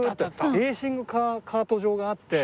レーシングカーカート場があって。